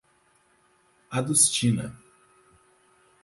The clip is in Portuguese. Adustina